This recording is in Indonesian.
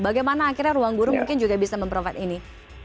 bagaimana akhirnya ruang guru mungkin juga bisa memprofit ini